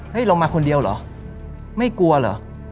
ลงมาคนเดียวเหรอไม่กลัวเหรอ